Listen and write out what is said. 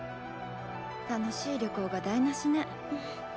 楽しい旅行が台なしね。